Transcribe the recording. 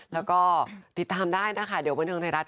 แล้วก็ติดตามได้นะคะเดี๋ยวบันเทิงไทยรัฐ